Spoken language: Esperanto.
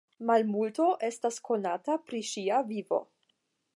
Malmulto estas konata pri ŝia vivo.